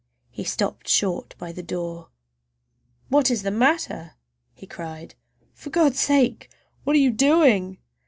He stopped short by the door. "What is the matter?" he cried. "For God's sake, what are you doing!"